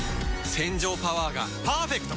洗浄パワーがパーフェクト！